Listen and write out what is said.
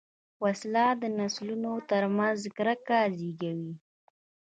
وسله د نسلونو تر منځ کرکه زېږوي